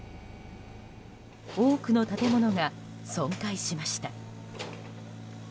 多くの建物が損壊しました。